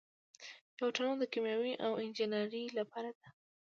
یوه ټولنه د کیمیاوي انجینرانو لپاره ده.